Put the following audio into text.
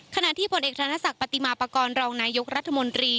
ขณะที่ผลเอกธนศักดิ์ปฏิมาปากรรองนายกรัฐมนตรี